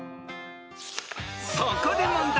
［そこで問題］